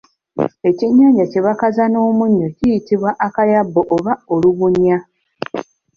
Ekyennyanja kye bakaza n'omunnyo kiyitibwa akayabu oba olubunya.